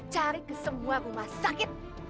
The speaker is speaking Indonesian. cari ke semua rumah sakit